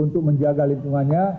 untuk menjaga lingkungannya